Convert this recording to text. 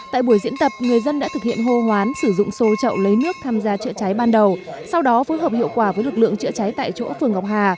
tại buổi diễn tập người dân đã thực hiện hô hoán sử dụng xô trậu lấy nước tham gia chữa cháy ban đầu sau đó phối hợp hiệu quả với lực lượng chữa cháy tại chỗ phường ngọc hà